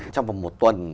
trong vòng một tuần